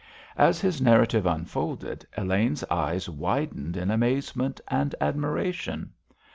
As his narrative unfolded, Elaine's eyes widened in amazement and admiration.